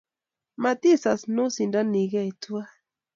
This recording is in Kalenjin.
Matisas nosindonigei tuwai